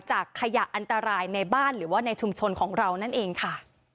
ขยะอันตรายในบ้านหรือว่าในชุมชนของเรานั่นเองค่ะ